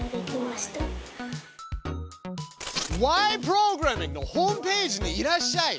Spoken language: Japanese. プログラミング」のホームページにいらっしゃい！